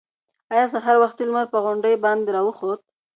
ایا سهار وختي لمر پر غونډیو باندې راوخوت؟